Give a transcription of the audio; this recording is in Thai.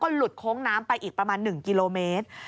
หลุดโค้งน้ำไปอีกประมาณ๑กิโลเมตร